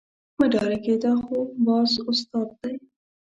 مه ډارېږئ دا خو باز استاد دی.